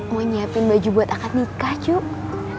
mau nyiapin baju buat angkat nikah cuy